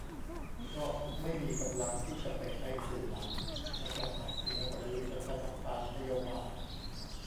เพราะไม่มีกำลังที่จะไปใช้สื่อหลักในการหาเสียง หรือ ประชาสัมพันธ์นโยบาย